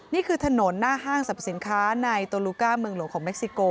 นี่คือถนนหน้าห้างสรรพสินค้าในโตลูก้าเมืองหลวงของเม็กซิโก